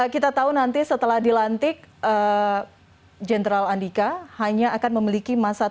kita tahu nanti setelah dilantik jenderal andika hanya akan memiliki masa tenang